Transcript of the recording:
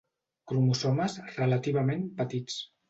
Cromosomes relativament 'petits'